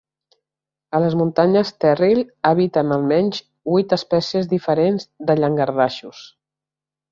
A les muntanyes Terril habiten almenys huit espècies diferents de llangardaixos.